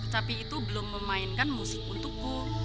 tapi itu belum memainkan musik untukku